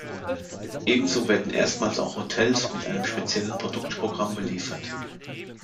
Ebenso werden erstmals auch Hotels mit einem speziellen Produktprogramm beliefert.